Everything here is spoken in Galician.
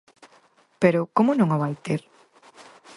Pero ¿como non a vai ter?